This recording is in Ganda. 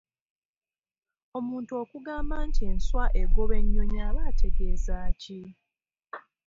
Omuntu okugamba nti enswa egoba ennyonyi aba ategezaaki?